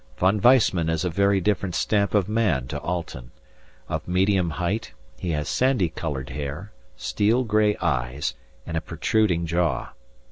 Von Weissman is a very different stamp of man to Alten; of medium height, he has sandy coloured hair, steel grey eyes and a protruding jaw.